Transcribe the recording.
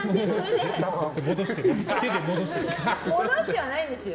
戻してはないんですよ。